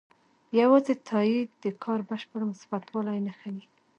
یوازې تایید د کار بشپړ مثبتوالی نه ښيي.